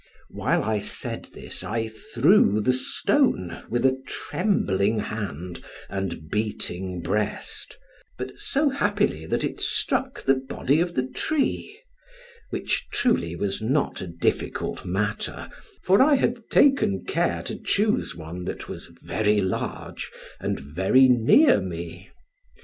While I said this, I threw the stone with a trembling hand and beating breast but so happily that it struck the body of the tree, which truly was not a difficult matter, for I had taken care to choose one that was very large and very near me.